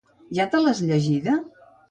Ja te l'has llegida?